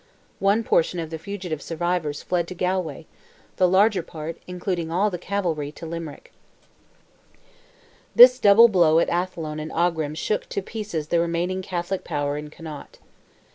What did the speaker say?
One portion of the fugitive survivors fled to Galway, the larger part, including all the cavalry, to Limerick. This double blow at Athlone and Aughrim shook to pieces the remaining Catholic power in Connaught.